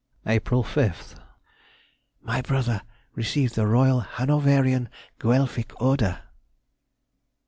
April 5th.—My brother received the Royal Hanoverian Guelphic Order.